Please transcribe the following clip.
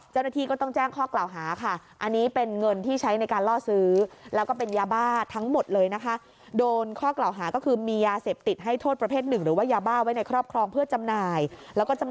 เจ้าหน้าที่ก็ต้องแจ้งข้อกล่าวหาค่ะ